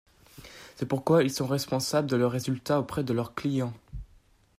C'est pourquoi ils sont responsables de leurs résultats auprès de leurs clients.